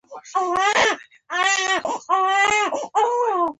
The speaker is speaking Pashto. دا د ښځو د انتخاب او وظيفو په حقونو پورې محدود و